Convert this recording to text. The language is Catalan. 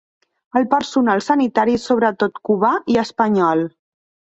El personal sanitari és sobretot cubà i espanyol.